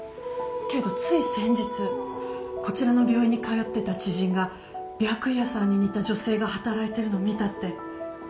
けどつい先日こちらの病院に通ってた知人が白夜さんに似た女性が働いてるのを見たって。